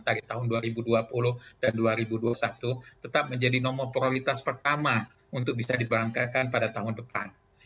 dari tahun dua ribu dua puluh dan dua ribu dua puluh satu tetap menjadi nomor prioritas pertama untuk bisa diberangkatkan pada tahun depan